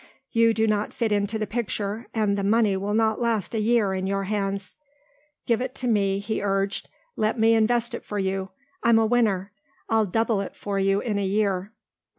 You do not fit into the picture and the money will not last a year in your hands. "Give it to me," he urged; "let me invest it for you. I'm a winner. I'll double it for you in a year."